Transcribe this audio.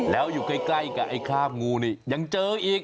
แล้วอยู่ใกล้กับไอ้คราบงูนี่ยังเจออีก